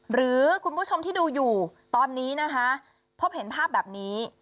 หรือคุณผู้ชมที่ดูอยู่ตอนนี้นะคะพบเห็นภาพแบบนี้